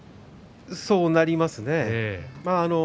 そうなりますね。